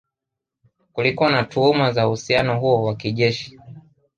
Kulikuwa na tuhuma za uhusiano huo wa kijeshi